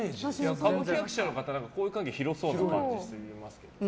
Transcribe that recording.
歌舞伎役者の方、交友関係広そうな感じしますよね。